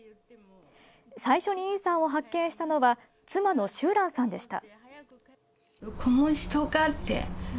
最初に尹さんを発見したのは妻の周嵐さんでした。